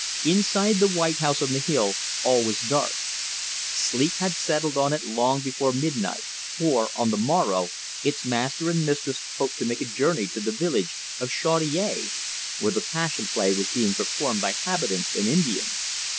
Inside the white house on the hill all was dark. Sleep had settled on it long before midnight, for, on the morrow, its master and mistress hoped to make a journey to the valley of the Chaudiere, where the Passion Play was being performed by habitants and Indians.